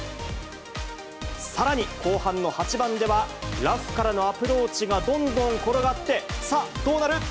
さらに後半の８番では、ラフからのアプローチがどんどん転がって、さあ、どうなる？